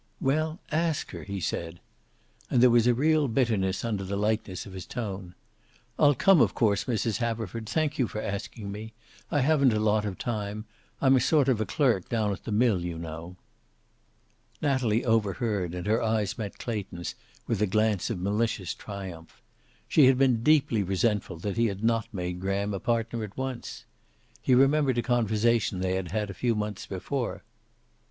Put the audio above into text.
"Well, ask her," he said. And there was a real bitterness under the lightness of his tone. "I'll come, of course, Mrs. Haverford. Thank you for asking me. I haven't a lot of time. I'm a sort of clerk down at the mill, you know." Natalie overheard, and her eyes met Clayton's, with a glance of malicious triumph. She had been deeply resentful that he had not made Graham a partner at once. He remembered a conversation they had had a few months before.